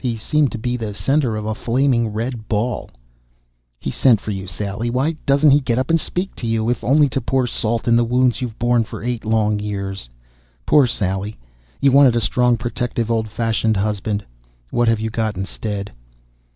He seemed to be the center of a flaming red ball ... _He sent for you, Sally. Why doesn't he get up and speak to you, if only to pour salt on the wounds you've borne for eight long years?_ _Poor Sally! You wanted a strong, protective, old fashioned husband. What have you got instead?